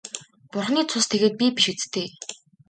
Бурхны цус тэгээд би биш биз дээ.